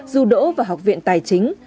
du đỗ vào học viện tài chính